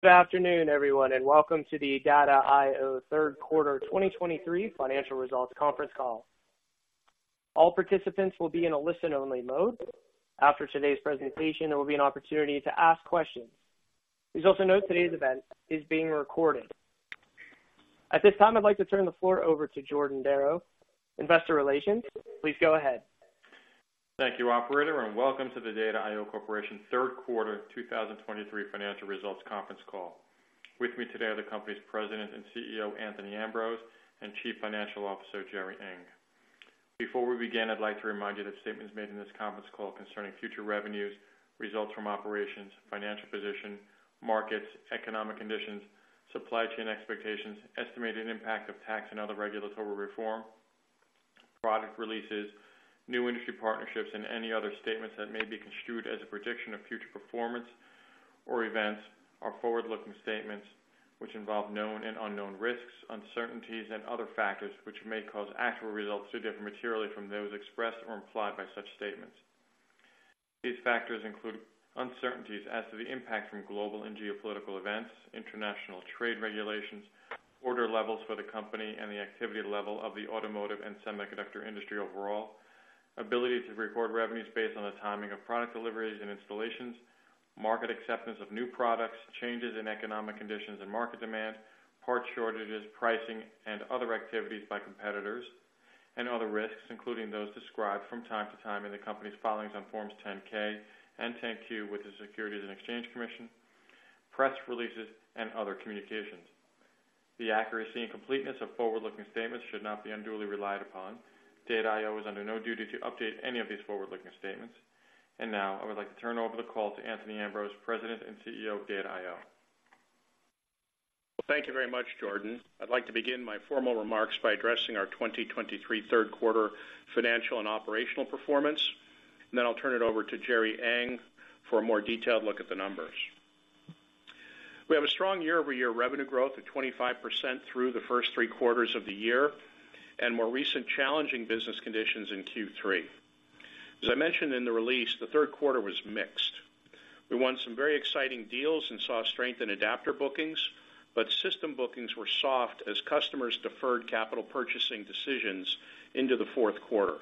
Good afternoon, everyone, and welcome to the Data I/O Third Quarter 2023 Financial Results Conference Call. All participants will be in a listen-only mode. After today's presentation, there will be an opportunity to ask questions. Please also note today's event is being recorded. At this time, I'd like to turn the floor over to Jordan Darrow, Investor Relations. Please go ahead. Thank you, operator, and welcome to the Data I/O Corporation third quarter 2023 financial results conference call. With me today are the company's President and CEO, Anthony Ambrose, and Chief Financial Officer, Gerry Ng. Before we begin, I'd like to remind you that statements made in this conference call concerning future revenues, results from operations, financial position, markets, economic conditions, supply chain expectations, estimated impact of tax and other regulatory reform, product releases, new industry partnerships, and any other statements that may be construed as a prediction of future performance or events are forward-looking statements, which involve known and unknown risks, uncertainties, and other factors, which may cause actual results to differ materially from those expressed or implied by such statements. These factors include uncertainties as to the impact from global and geopolitical events, international trade regulations, order levels for the company, and the activity level of the automotive and semiconductor industry overall, ability to record revenues based on the timing of product deliveries and installations, market acceptance of new products, changes in economic conditions and market demand, part shortages, pricing, and other activities by competitors, and other risks, including those described from time to time in the company's filings on Forms 10-K and 10-Q with the Securities and Exchange Commission, press releases, and other communications. The accuracy and completeness of forward-looking statements should not be unduly relied upon. Data I/O is under no duty to update any of these forward-looking statements. Now, I would like to turn over the call to Anthony Ambrose, President and CEO of Data I/O. Well, thank you very much, Jordan. I'd like to begin my formal remarks by addressing our 2023 third quarter financial and operational performance, and then I'll turn it over to Gerry Ng for a more detailed look at the numbers. We have a strong year-over-year revenue growth of 25% through the first three quarters of the year, and more recent challenging business conditions in Q3. As I mentioned in the release, the third quarter was mixed. We won some very exciting deals and saw strength in adapter bookings, but system bookings were soft as customers deferred capital purchasing decisions into the fourth quarter.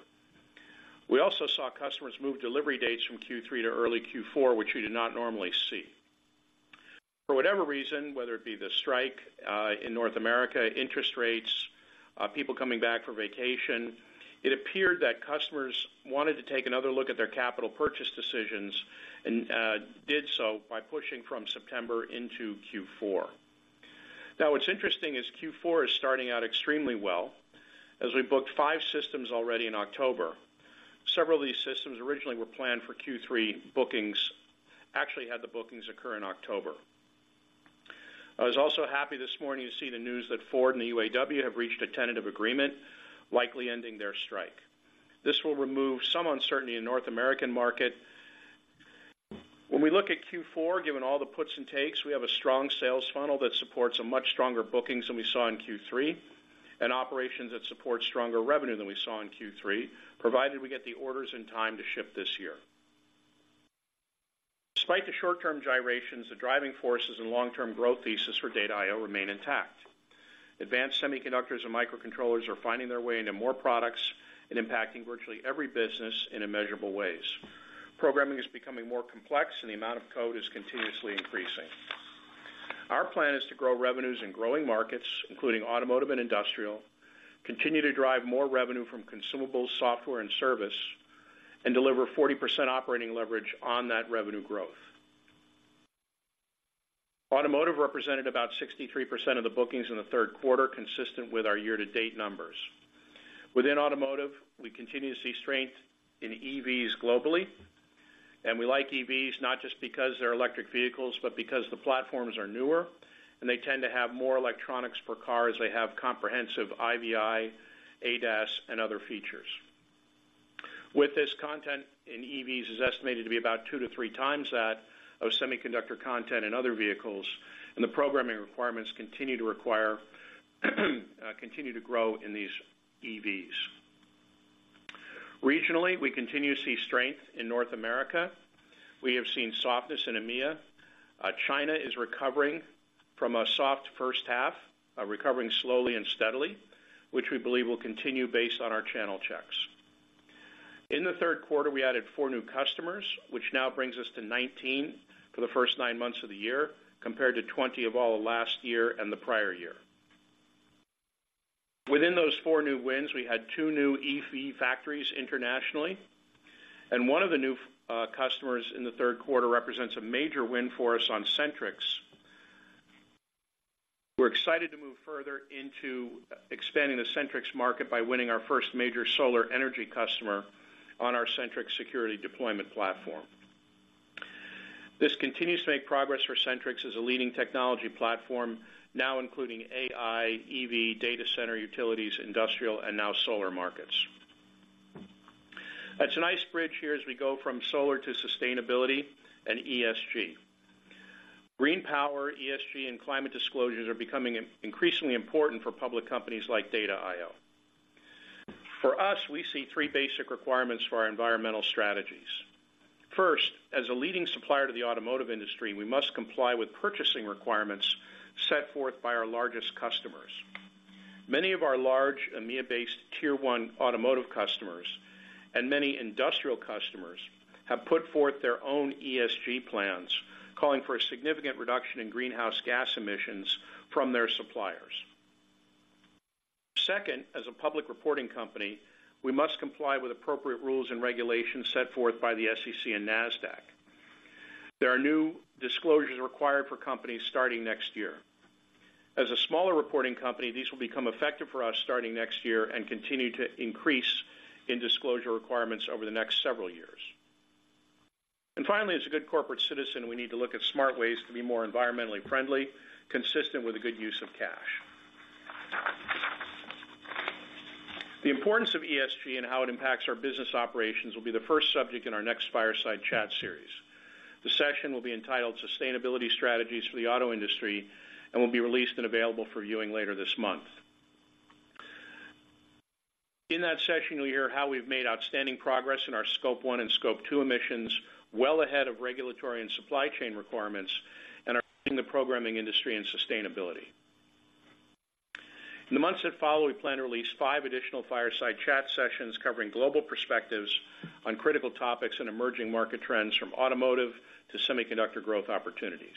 We also saw customers move delivery dates from Q3 to early Q4, which we do not normally see. For whatever reason, whether it be the strike in North America, interest rates, people coming back for vacation, it appeared that customers wanted to take another look at their capital purchase decisions and did so by pushing from September into Q4. Now, what's interesting is Q4 is starting out extremely well, as we booked five systems already in October. Several of these systems originally were planned for Q3 bookings, actually had the bookings occur in October. I was also happy this morning to see the news that Ford and the UAW have reached a tentative agreement, likely ending their strike. This will remove some uncertainty in North American market. When we look at Q4, given all the puts and takes, we have a strong sales funnel that supports a much stronger bookings than we saw in Q3, and operations that support stronger revenue than we saw in Q3, provided we get the orders in time to ship this year. Despite the short-term gyrations, the driving forces and long-term growth thesis for Data I/O remain intact. Advanced semiconductors and microcontrollers are finding their way into more products and impacting virtually every business in immeasurable ways. Programming is becoming more complex, and the amount of code is continuously increasing. Our plan is to grow revenues in growing markets, including automotive and industrial, continue to drive more revenue from consumables, software, and service, and deliver 40% operating leverage on that revenue growth. Automotive represented about 63% of the bookings in the third quarter, consistent with our year-to-date numbers. Within automotive, we continue to see strength in EVs globally, and we like EVs, not just because they're electric vehicles, but because the platforms are newer, and they tend to have more electronics per car as they have comprehensive IVI, ADAS, and other features. With this content in EVs is estimated to be about 2-3 times that of semiconductor content in other vehicles, and the programming requirements continue to grow in these EVs. Regionally, we continue to see strength in North America. We have seen softness in EMEA. China is recovering from a soft first half, recovering slowly and steadily, which we believe will continue based on our channel checks. In the third quarter, we added 4 new customers, which now brings us to 19 for the first 9 months of the year, compared to 20 of all of last year and the prior year. Within those 4 new wins, we had 2 new EV factories internationally, and one of the new customers in the third quarter represents a major win for us on SentriX. We're excited to move further into expanding the SentriX market by winning our first major solar energy customer on our SentriX security deployment platform. This continues to make progress for SentriX as a leading technology platform, now including AI, EV, data center, utilities, industrial, and now solar markets. It's a nice bridge here as we go from solar to sustainability and ESG. Green power, ESG, and climate disclosures are becoming increasingly important for public companies like Data I/O. For us, we see three basic requirements for our environmental strategies. First, as a leading supplier to the automotive industry, we must comply with purchasing requirements set forth by our largest customers. Many of our large EMEA-based Tier One automotive customers and many industrial customers have put forth their own ESG plans, calling for a significant reduction in greenhouse gas emissions from their suppliers. Second, as a public reporting company, we must comply with appropriate rules and regulations set forth by the SEC and Nasdaq. There are new disclosures required for companies starting next year. As a smaller reporting company, these will become effective for us starting next year and continue to increase in disclosure requirements over the next several years. Finally, as a good corporate citizen, we need to look at smart ways to be more environmentally friendly, consistent with a good use of cash. The importance of ESG and how it impacts our business operations will be the first subject in our next Fireside Chat series. The session will be entitled Sustainability Strategies for the Auto Industry, and will be released and available for viewing later this month. In that session, you'll hear how we've made outstanding progress in our Scope One and Scope Two emissions, well ahead of regulatory and supply chain requirements, and are in the programming industry and sustainability. In the months that follow, we plan to release five additional Fireside Chat sessions covering global perspectives on critical topics and emerging market trends, from automotive to semiconductor growth opportunities.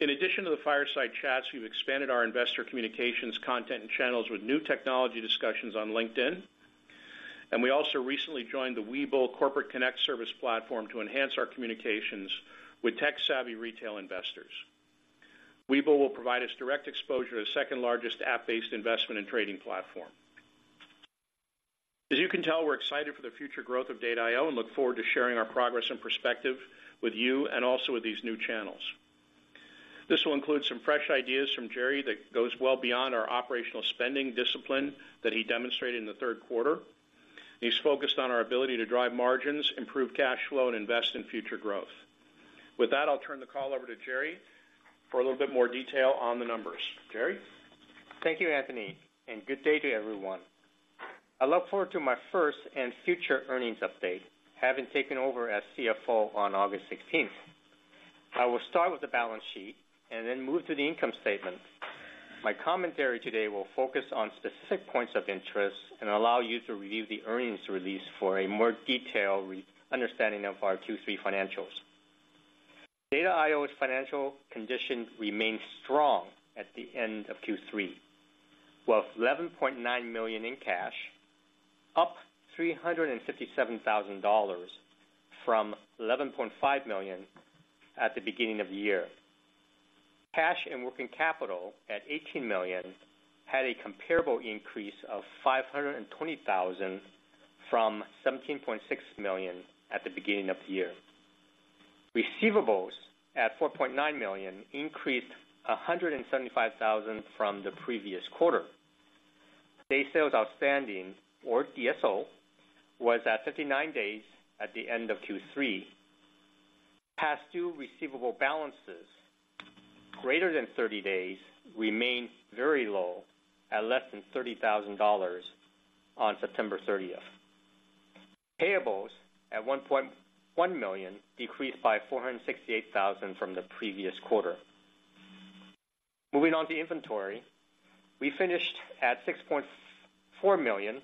In addition to the Fireside Chats, we've expanded our investor communications content and channels with new technology discussions on LinkedIn, and we also recently joined the Webull Corporate Connect service platform to enhance our communications with tech-savvy retail investors. Webull will provide us direct exposure to the second-largest app-based investment and trading platform. As you can tell, we're excited for the future growth of Data I/O and look forward to sharing our progress and perspective with you, and also with these new channels. This will include some fresh ideas from Gerry that goes well beyond our operational spending discipline that he demonstrated in the third quarter. He's focused on our ability to drive margins, improve cash flow, and invest in future growth. With that, I'll turn the call over to Gerry for a little bit more detail on the numbers. Gerry? Thank you, Anthony, and good day to everyone. I look forward to my first and future earnings update, having taken over as CFO on August sixteenth. I will start with the balance sheet and then move to the income statement. My commentary today will focus on specific points of interest and allow you to review the earnings release for a more detailed re-understanding of our Q3 financials. Data I/O's financial condition remained strong at the end of Q3, with $11.9 million in cash, up $357,000 from $11.5 million at the beginning of the year. Cash and working capital, at $18 million, had a comparable increase of $520,000 from $17.6 million at the beginning of the year. Receivables, at $4.9 million, increased $175,000 from the previous quarter. Days sales outstanding, or DSO, was at 59 days at the end of Q3. Past due receivable balances greater than 30 days remained very low at less than $30,000 on September 30th. Payables, at $1.1 million, decreased by $468,000 from the previous quarter. Moving on to inventory, we finished at $6.4 million,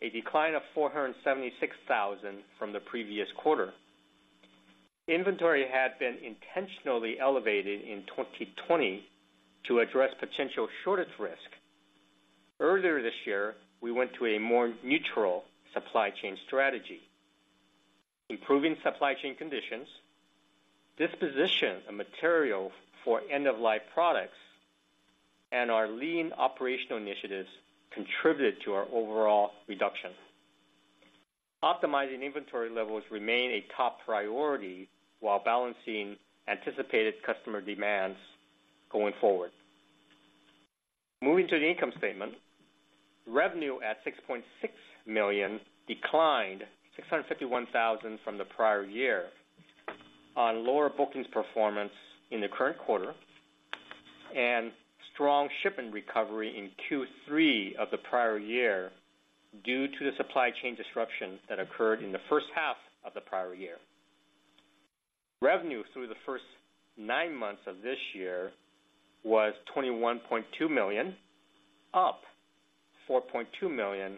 a decline of $476,000 from the previous quarter. Inventory had been intentionally elevated in 2020 to address potential shortage risk. Earlier this year, we went to a more neutral supply chain strategy. Improving supply chain conditions, disposition of material for end-of-life products, and our lean operational initiatives contributed to our overall reduction. Optimizing inventory levels remain a top priority while balancing anticipated customer demands going forward. Moving to the income statement, revenue at $6.6 million declined $651,000 from the prior year on lower bookings performance in the current quarter, and strong shipment recovery in Q3 of the prior year, due to the supply chain disruption that occurred in the first half of the prior year. Revenue through the first nine months of this year was $21.2 million, up $4.2 million,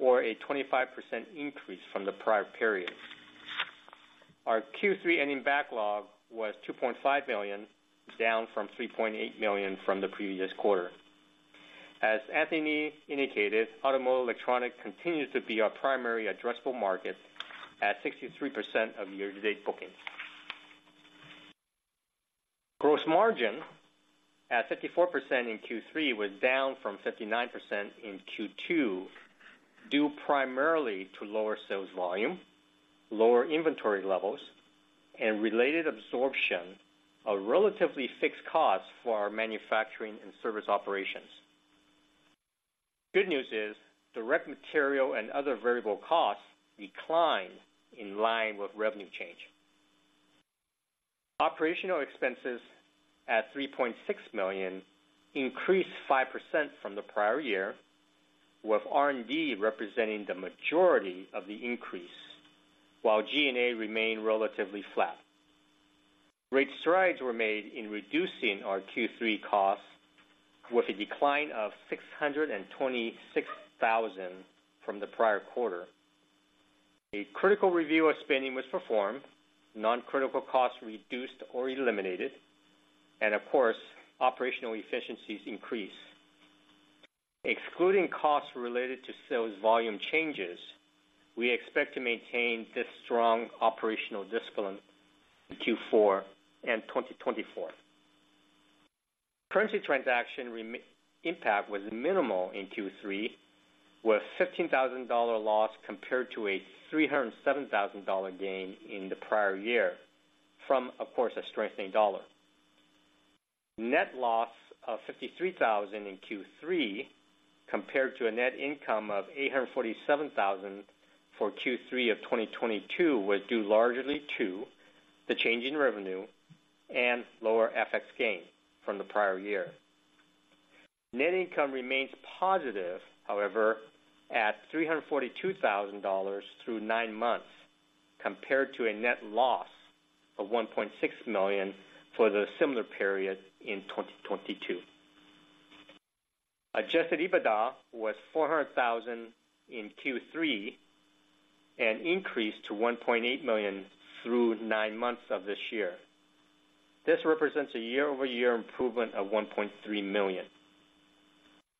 or a 25% increase from the prior period. Our Q3 ending backlog was $2.5 million, down from $3.8 million from the previous quarter. As Anthony indicated, automotive electronic continues to be our primary addressable market at 63% of year-to-date bookings. Gross margin at 54% in Q3, was down from 59% in Q2, due primarily to lower sales volume, lower inventory levels, and related absorption of relatively fixed costs for our manufacturing and service operations. Good news is, direct material and other variable costs declined in line with revenue change. Operational expenses at $3.6 million increased 5% from the prior year, with R&D representing the majority of the increase, while G&A remained relatively flat. Great strides were made in reducing our Q3 costs, with a decline of $626,000 from the prior quarter. A critical review of spending was performed, non-critical costs reduced or eliminated, and of course, operational efficiencies increased. Excluding costs related to sales volume changes, we expect to maintain this strong operational discipline in Q4 and 2024. Currency transaction remeasurement impact was minimal in Q3, with a $15,000 loss compared to a $307,000 gain in the prior year from, of course, a strengthening dollar. Net loss of $53,000 in Q3, compared to a net income of $847,000 for Q3 of 2022, was due largely to the change in revenue and lower FX gain from the prior year. Net income remains positive, however, at $342,000 through nine months, compared to a net loss of $1.6 million for the similar period in 2022. Adjusted EBITDA was $400,000 in Q3 and increased to $1.8 million through nine months of this year. This represents a year-over-year improvement of $1.3 million.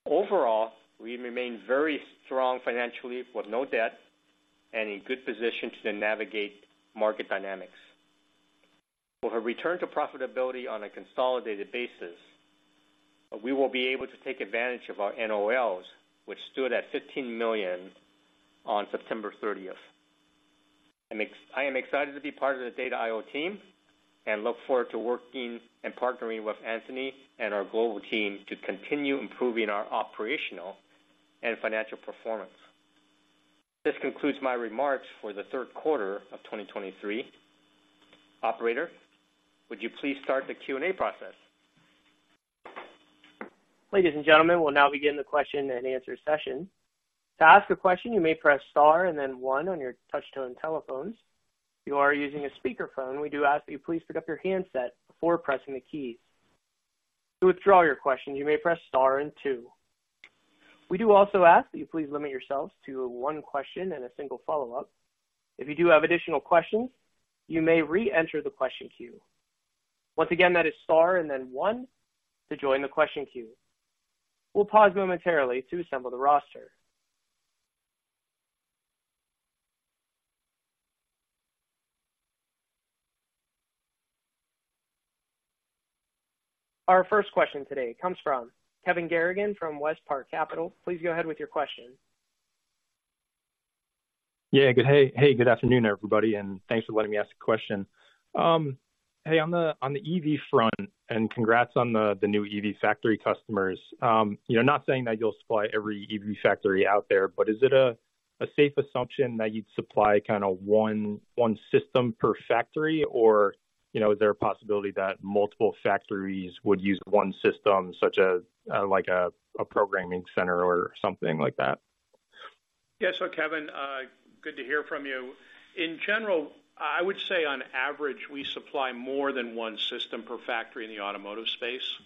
Overall, we remain very strong financially, with no debt and in good position to navigate market dynamics. With a return to profitability on a consolidated basis, we will be able to take advantage of our NOLs, which stood at $15 million on September thirtieth. I am excited to be part of the Data I/O team and look forward to working and partnering with Anthony and our global team to continue improving our operational and financial performance. This concludes my remarks for the third quarter of 2023. Operator, would you please start the Q&A process? Ladies and gentlemen, we'll now begin the question and answer session. To ask a question, you may press Star and then One on your touchtone telephones. If you are using a speakerphone, we do ask that you please pick up your handset before pressing the keys. To withdraw your question, you may press Star and Two. We do also ask that you please limit yourselves to one question and a single follow-up. If you do have additional questions, you may reenter the question queue. Once again, that is Star and then One to join the question queue. We'll pause momentarily to assemble the roster. Our first question today comes from Kevin Garrigan from WestPark Capital. Please go ahead with your question. Yeah, good. Hey, hey, good afternoon, everybody, and thanks for letting me ask a question. Hey, on the EV front, and congrats on the new EV factory customers. You know, not saying that you'll supply every EV factory out there, but is it a safe assumption that you'd supply kinda one system per factory? Or, you know, is there a possibility that multiple factories would use one system, such as like a programming center or something like that? Yeah. So Kevin, good to hear from you. In general, I would say on average, we supply more than one system per factory in the automotive space.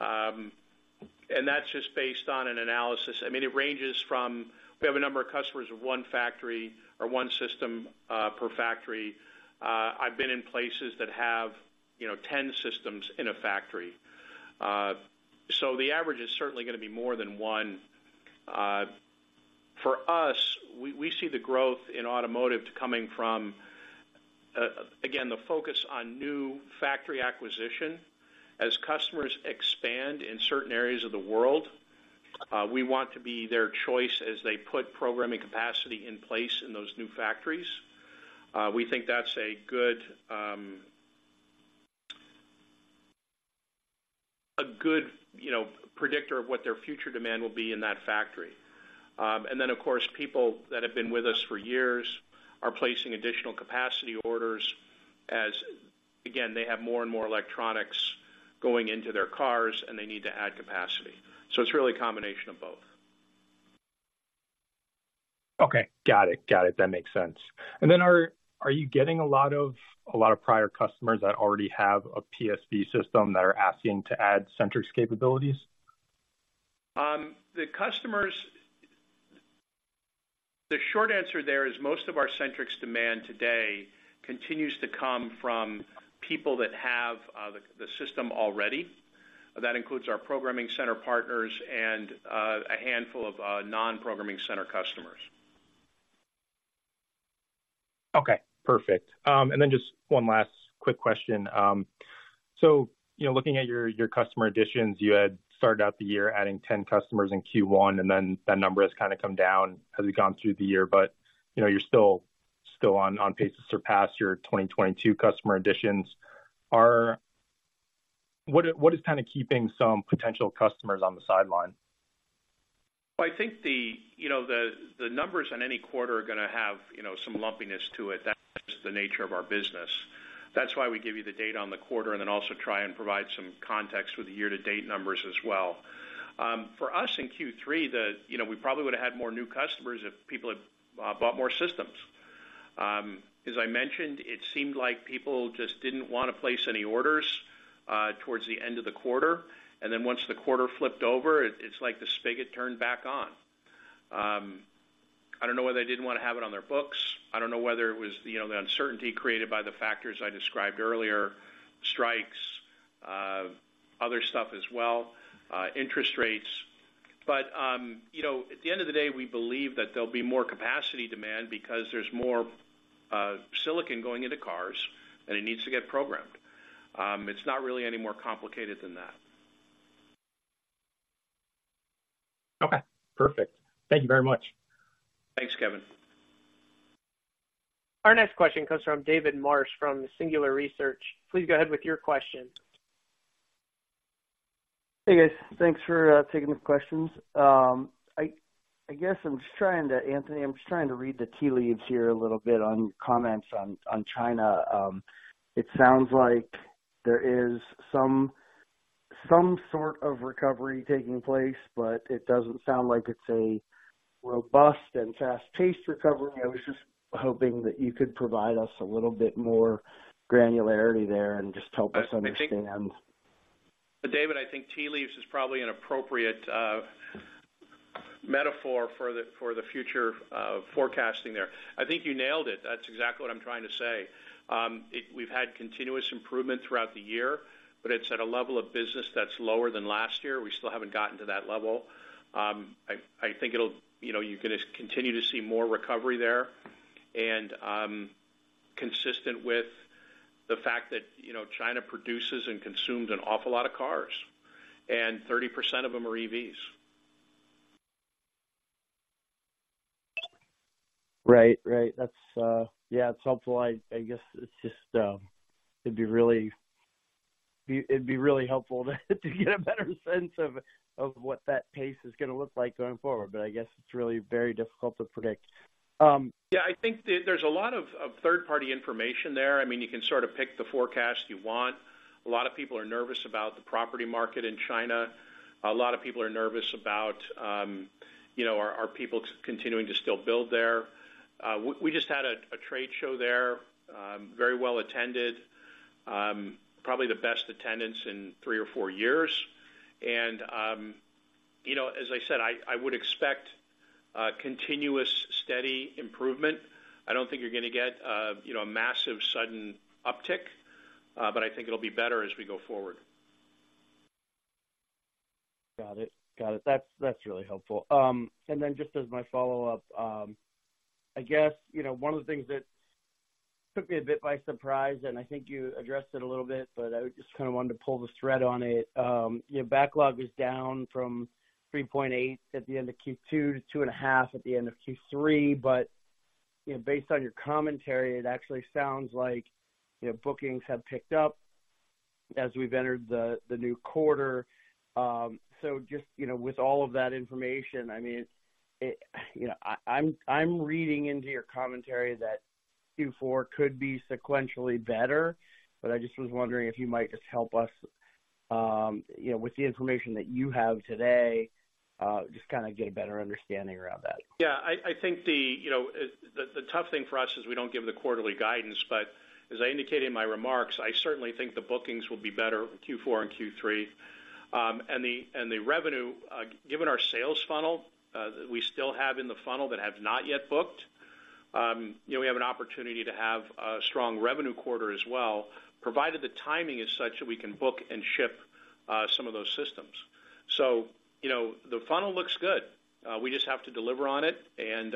And that's just based on an analysis. I mean, it ranges from... We have a number of customers with one factory or one system per factory. I've been in places that have, you know, 10 systems in a factory. So the average is certainly gonna be more than one. For us, we see the growth in automotive coming from, again, the focus on new factory acquisition. As customers expand in certain areas of the world, we want to be their choice as they put programming capacity in place in those new factories. We think that's a good, you know, predictor of what their future demand will be in that factory. And then, of course, people that have been with us for years are placing additional capacity orders as, again, they have more and more electronics going into their cars, and they need to add capacity. So it's really a combination of both. Okay, got it. Got it. That makes sense. And then are, are you getting a lot of, a lot of prior customers that already have a PSV system that are asking to add SentriX capabilities? The customers... The short answer there is most of our SentriX demand today continues to come from people that have the system already. That includes our programming center partners and a handful of non-programming center customers. Okay, perfect. And then just one last quick question. So, you know, looking at your, your customer additions, you had started out the year adding 10 customers in Q1, and then that number has kind of come down as we've gone through the year. But, you know, you're still, still on, on pace to surpass your 2022 customer additions. What, what is kind of keeping some potential customers on the sideline? Well, I think you know, the numbers on any quarter are going to have, you know, some lumpiness to it. That's just the nature of our business. That's why we give you the data on the quarter and then also try and provide some context with the year-to-date numbers as well. For us, in Q3, we probably would have had more new customers if people had bought more systems. As I mentioned, it seemed like people just didn't want to place any orders towards the end of the quarter, and then once the quarter flipped over, it's like the spigot turned back on. I don't know whether they didn't want to have it on their books. I don't know whether it was, you know, the uncertainty created by the factors I described earlier, strikes, other stuff as well, interest rates. But, you know, at the end of the day, we believe that there'll be more capacity demand because there's more silicon going into cars, and it needs to get programmed. It's not really any more complicated than that. Okay, perfect. Thank you very much. Thanks, Kevin. Our next question comes from David Marsh, from Singular Research. Please go ahead with your question. Hey, guys. Thanks for taking the questions. I guess I'm just trying to... Anthony, I'm just trying to read the tea leaves here a little bit on your comments on China. It sounds like there is some sort of recovery taking place, but it doesn't sound like it's a robust and fast-paced recovery. I was just hoping that you could provide us a little bit more granularity there and just help us understand. David, I think tea leaves is probably an appropriate, metaphor for the, for the future, forecasting there. I think you nailed it. That's exactly what I'm trying to say. We've had continuous improvement throughout the year, but it's at a level of business that's lower than last year. We still haven't gotten to that level. I think it'll, you know, you're gonna continue to see more recovery there, and, consistent with the fact that, you know, China produces and consumes an awful lot of cars, and 30% of them are EVs. Right. Right. That's, yeah, it's helpful. I guess it's just, it'd be really helpful to get a better sense of what that pace is going to look like going forward, but I guess it's really very difficult to predict. Yeah, I think there, there's a lot of third-party information there. I mean, you can sort of pick the forecast you want. A lot of people are nervous about the property market in China. A lot of people are nervous about, you know, people continuing to still build there? We just had a trade show there, very well attended, probably the best attendance in three or four years. And, you know, as I said, I would expect continuous steady improvement. I don't think you're gonna get, you know, a massive sudden uptick, but I think it'll be better as we go forward. Got it. Got it. That's, that's really helpful. And then just as my follow-up, I guess, you know, one of the things that took me a bit by surprise, and I think you addressed it a little bit, but I just kind of wanted to pull the thread on it. Your backlog is down from 3.8 at the end of Q2 to 2.5 at the end of Q3. But, you know, based on your commentary, it actually sounds like, you know, bookings have picked up as we've entered the new quarter. So just, you know, with all of that information, I mean, it, you know, I'm reading into your commentary that Q4 could be sequentially better, but I just was wondering if you might just help us, you know, with the information that you have today, just kind of get a better understanding around that. Yeah, I think the, you know, the tough thing for us is we don't give the quarterly guidance, but as I indicated in my remarks, I certainly think the bookings will be better Q4 and Q3. And the revenue, given our sales funnel, we still have in the funnel that have not yet booked, you know, we have an opportunity to have a strong revenue quarter as well, provided the timing is such that we can book and ship some of those systems. So, you know, the funnel looks good. We just have to deliver on it, and,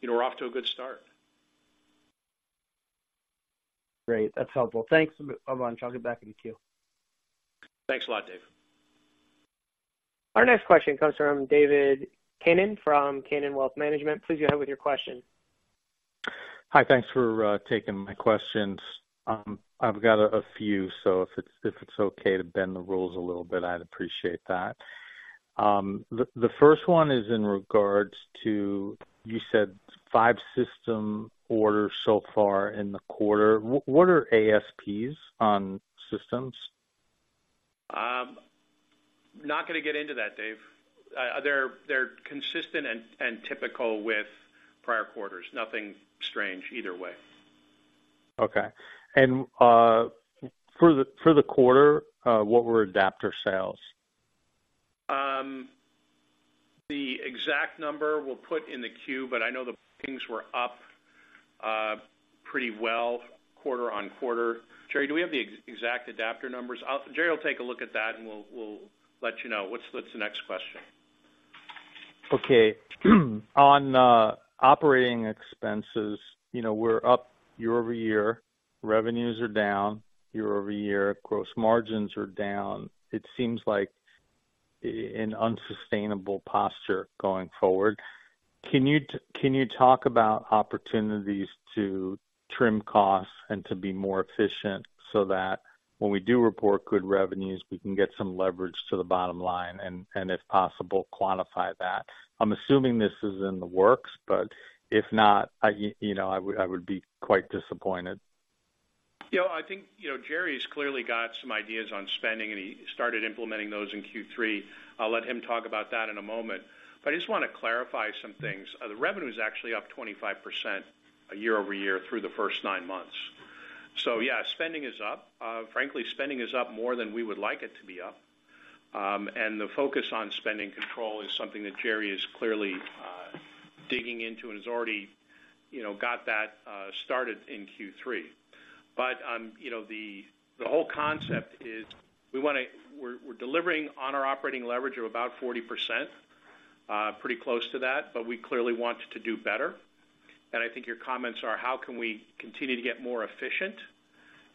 you know, we're off to a good start. Great. That's helpful. Thanks so much. I'll get back in the queue. Thanks a lot, Dave. Our next question comes from David Kanen, from Kanen Wealth Management. Please go ahead with your question. Hi. Thanks for taking my questions. I've got a few, so if it's okay to bend the rules a little bit, I'd appreciate that. The first one is in regards to, you said five system orders so far in the quarter. What are ASPs on systems? Not gonna get into that, Dave. They're consistent and typical with prior quarters. Nothing strange either way. Okay. And, for the quarter, what were adapter sales? The exact number we'll put in the queue, but I know the bookings were up pretty well, quarter-over-quarter. Gerry, do we have the exact adapter numbers? Gerry will take a look at that, and we'll let you know. What's the next question? Okay. On operating expenses, you know, we're up year over year. Revenues are down year over year. Gross margins are down. It seems like in an unsustainable posture going forward. Can you talk about opportunities to trim costs and to be more efficient so that when we do report good revenues, we can get some leverage to the bottom line, and if possible, quantify that? I'm assuming this is in the works, but if not, I, you know, I would be quite disappointed. You know, I think, you know, Gerry's clearly got some ideas on spending, and he started implementing those in Q3. I'll let him talk about that in a moment, but I just want to clarify some things. The revenue is actually up 25%, year-over-year through the first nine months. So yeah, spending is up. Frankly, spending is up more than we would like it to be up. And the focus on spending control is something that Gerry is clearly digging into and has already, you know, got that started in Q3. But you know, the whole concept is we want to... We're delivering on our operating leverage of about 40%, pretty close to that, but we clearly want to do better. I think your comments are, how can we continue to get more efficient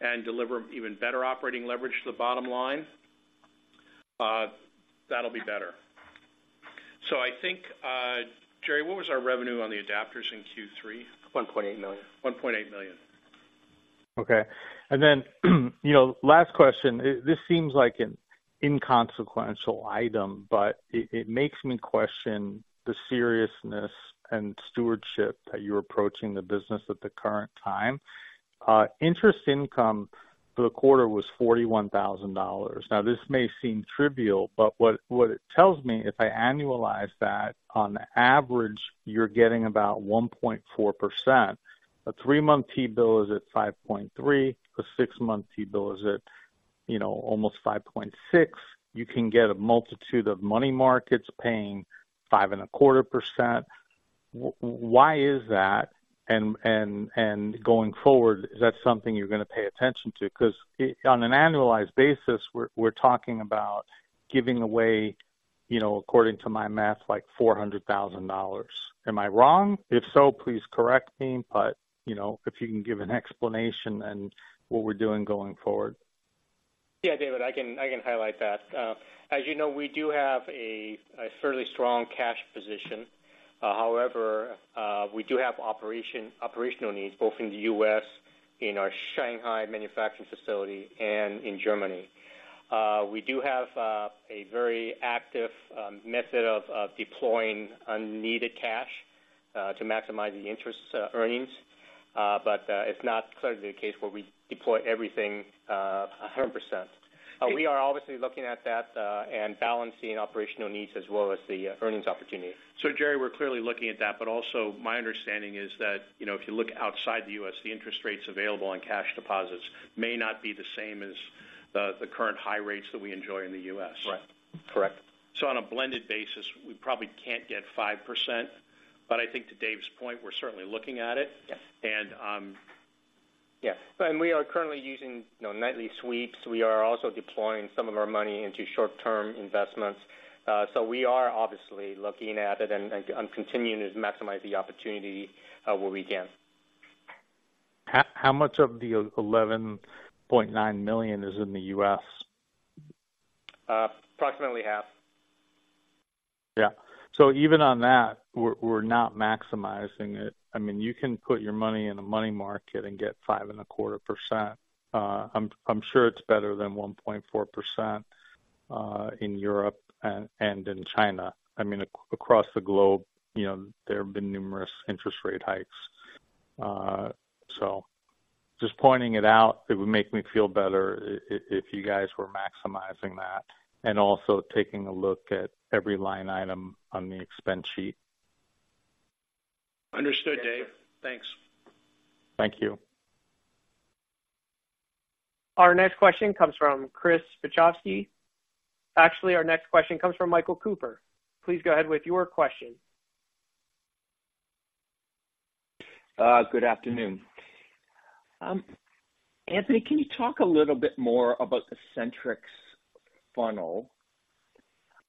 and deliver even better operating leverage to the bottom line? That'll be better. I think, Gerry, what was our revenue on the adapters in Q3? $1.8 million. $1.8 million. Okay. And then, you know, last question. This seems like an inconsequential item, but it makes me question the seriousness and stewardship that you're approaching the business at the current time. Interest income for the quarter was $41,000. Now, this may seem trivial, but what it tells me, if I annualize that, on average, you're getting about 1.4%. A three-month T-bill is at 5.3%. A six-month T-bill is at, you know, almost 5.6%. You can get a multitude of money markets paying 5.25%. Why is that? And going forward, is that something you're going to pay attention to? Because on an annualized basis, we're talking about giving away, you know, according to my math, like $400,000. Am I wrong? If so, please correct me, but, you know, if you can give an explanation on what we're doing going forward. Yeah, David, I can highlight that. As you know, we do have a fairly strong cash position. However, we do have operational needs, both in the U.S., in our Shanghai manufacturing facility and in Germany. We do have a very active method of deploying unneeded cash to maximize the interest earnings. But it's not clearly the case where we deploy everything 100%. We are obviously looking at that and balancing operational needs as well as the earnings opportunity. So, Gerry, we're clearly looking at that, but also my understanding is that, you know, if you look outside the U.S., the interest rates available on cash deposits may not be the same as the current high rates that we enjoy in the U.S. Right. Correct. On a blended basis, we probably can't get 5%, but I think to Dave's point, we're certainly looking at it. Yes. And, um- Yes, and we are currently using, you know, nightly sweeps. We are also deploying some of our money into short-term investments. So we are obviously looking at it and continuing to maximize the opportunity where we can. How much of the $11.9 million is in the U.S.? Approximately half. Yeah. So even on that, we're not maximizing it. I mean, you can put your money in a money market and get 5.25%. I'm sure it's better than 1.4% in Europe and in China. I mean, across the globe, you know, there have been numerous interest rate hikes. So just pointing it out, it would make me feel better if you guys were maximizing that and also taking a look at every line item on the expense sheet. Understood, Dave. Thanks. Thank you. Our next question comes from Chris Pichowski. Actually, our next question comes from Michael Cooper. Please go ahead with your question. Good afternoon. Anthony, can you talk a little bit more about the SentriX funnel?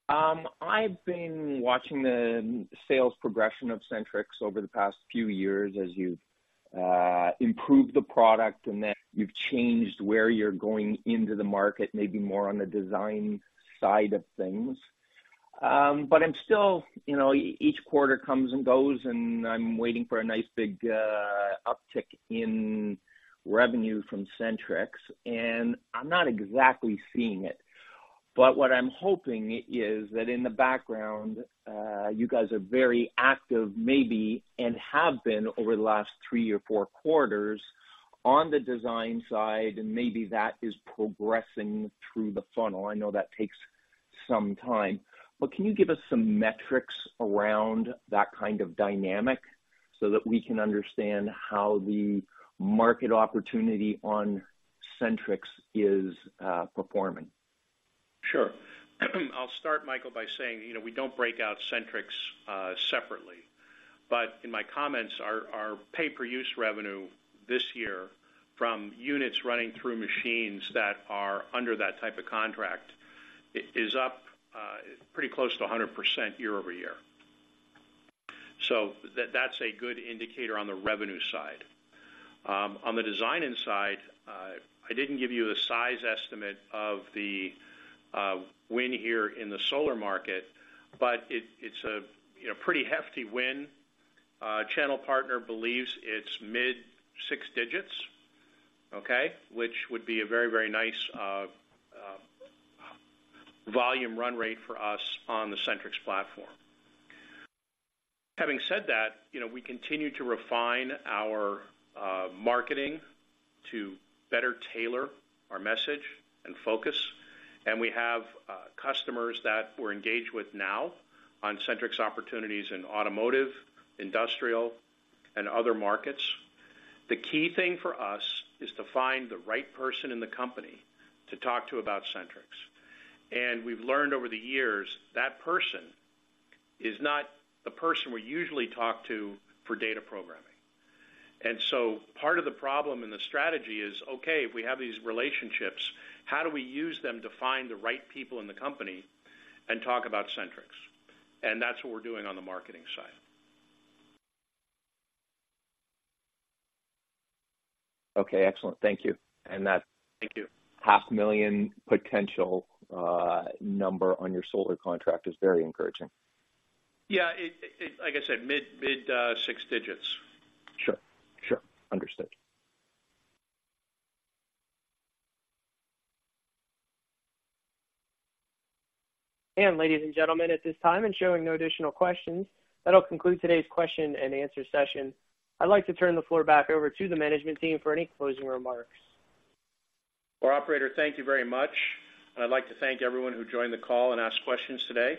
I've been watching the sales progression of SentriX over the past few years as you've improved the product, and then you've changed where you're going into the market, maybe more on the design side of things. But I'm still, you know, each quarter comes and goes, and I'm waiting for a nice, big uptick in revenue from SentriX, and I'm not exactly seeing it. But what I'm hoping is that in the background, you guys are very active, maybe, and have been over the last three or four quarters on the design side, and maybe that is progressing through the funnel. I know that takes some time. Can you give us some metrics around that kind of dynamic so that we can understand how the market opportunity on SentriX is performing? Sure. I'll start, Michael, by saying, you know, we don't break out SentriX separately, but in my comments, our pay-per-use revenue this year from units running through machines that are under that type of contract is up pretty close to 100% year-over-year. So that, that's a good indicator on the revenue side. On the design-in side, I didn't give you a size estimate of the win here in the solar market, but it's a, you know, pretty hefty win. Channel partner believes it's mid-six digits, okay? Which would be a very, very nice volume run rate for us on the SentriX platform. Having said that, you know, we continue to refine our marketing to better tailor our message and focus, and we have customers that we're engaged with now on SentriX opportunities in automotive, industrial, and other markets. The key thing for us is to find the right person in the company to talk to about SentriX. And we've learned over the years, that person is not the person we usually talk to for data programming. And so part of the problem and the strategy is, okay, if we have these relationships, how do we use them to find the right people in the company and talk about SentriX? And that's what we're doing on the marketing side. Okay, excellent. Thank you. Thank you. $500,000 potential number on your solar contract is very encouraging. Yeah, like I said, mid six digits. Sure. Sure. Understood. Ladies and gentlemen, at this time and showing no additional questions, that'll conclude today's question and answer session. I'd like to turn the floor back over to the management team for any closing remarks. Well, operator, thank you very much, and I'd like to thank everyone who joined the call and asked questions today.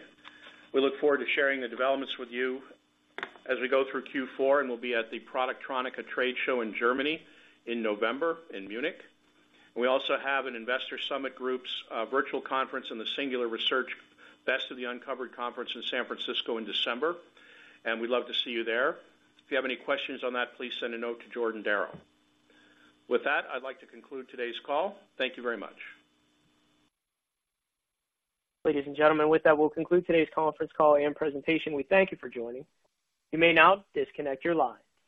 We look forward to sharing the developments with you as we go through Q4, and we'll be at the productronica trade show in Germany in November, in Munich. We also have an Investor Summit Group virtual conference in the Singular Research Best of the Uncovered Conference in San Francisco in December, and we'd love to see you there. If you have any questions on that, please send a note to Jordan Darrow. With that, I'd like to conclude today's call. Thank you very much. Ladies and gentlemen, with that, we'll conclude today's conference call and presentation. We thank you for joining. You may now disconnect your line.